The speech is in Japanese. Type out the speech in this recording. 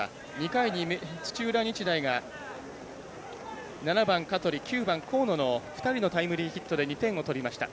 ２回に土浦日大が７番、香取、９番、河野の２人のタイムリーヒットで２点を取りました。